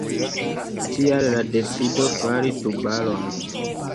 Tial la decido fari Tubaron.